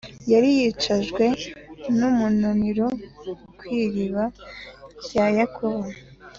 yari yicajwe n’umunaniro kw’iriba rya Yakobo